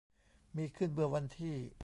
มีขึ้นเมื่อวันที่